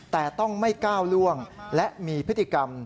แต่ต้องไม่ก้าวล่วงและมีพฤติกรรม